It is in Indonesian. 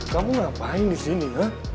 kamu ngapain disini